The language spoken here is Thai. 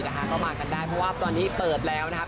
ก็มากันได้เพราะว่าตอนนี้เปิดแล้วนะครับ